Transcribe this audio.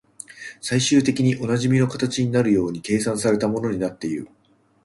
最終的にはおなじみの形になるように計算された物になっている